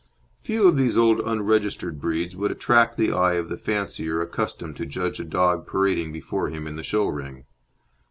Few of these old unregistered breeds would attract the eye of the fancier accustomed to judge a dog parading before him in the show ring.